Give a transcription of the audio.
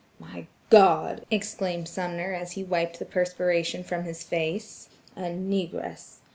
"My God!" exclaimed Sumner as he wiped the perspiration from his face, "a negress!